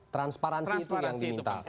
transparansi itu yang diminta